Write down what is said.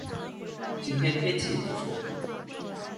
今天天气不错